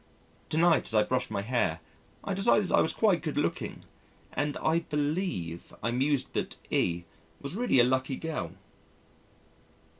To night as I brushed my hair, I decided I was quite good looking, and I believe I mused that E was really a lucky girl....